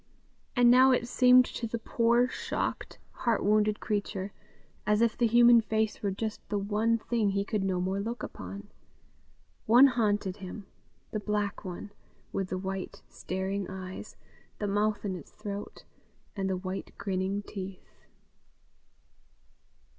And now it seemed to the poor, shocked, heart wounded creature, as if the human face were just the one thing he could no more look upon. One haunted him, the black one, with the white, staring eyes, the mouth in its throat, and the white grinning teeth.